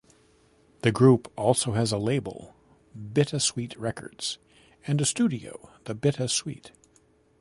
The group also has a label, BitaSweet Records, and a studio, The BitaSuite.